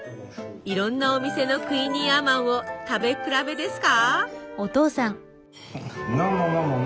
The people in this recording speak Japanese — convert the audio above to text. いろんなお店のクイニーアマンを食べ比べですか？